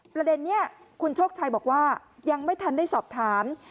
ประเด็นนี้คุณโชคชัยบอกว่ายังไม่ทันได้สอบถาม